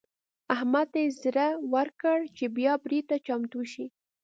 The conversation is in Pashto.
احمد ته يې زړه ورکړ چې بيا برید ته چمتو شي.